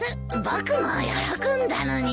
僕も喜んだのに。